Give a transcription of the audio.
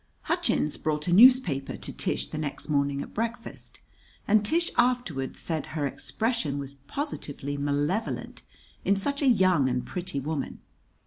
II Hutchins brought a newspaper to Tish the next morning at breakfast, and Tish afterwards said her expression was positively malevolent in such a young and pretty woman.